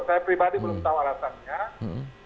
saya pribadi belum tahu alasannya